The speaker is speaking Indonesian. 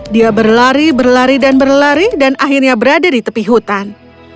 dia berlari berlari dan berlari dan akhirnya berada di tepi hutan